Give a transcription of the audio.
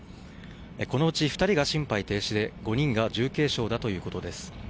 このうち２人が心肺停止で５人が重軽傷だということです。